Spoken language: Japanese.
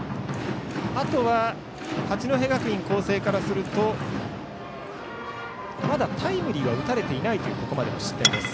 あとは八戸学院光星からするとまだタイムリーは打たれていないというここまでの失点。